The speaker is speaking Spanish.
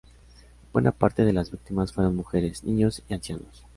Buena parte de las víctimas fueron mujeres, niños y ancianos.